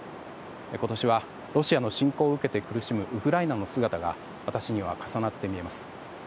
今年はロシアの侵攻を受けて苦しむウクライナの姿が私には重なって見えます。